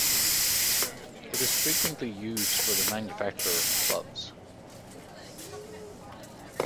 It is frequently used for the manufacture of gloves.